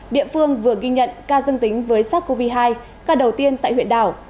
địa phương vừa ghi nhận ca dương tính với sars cov hai ca đầu tiên tại huyện đảo